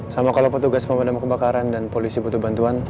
sama kalau petugas pemadam kebakaran dan polisi butuh bantuan